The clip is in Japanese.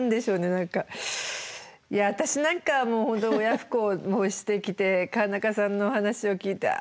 何かいや私なんかはもう本当親不孝もしてきて川中さんのお話を聞いてああ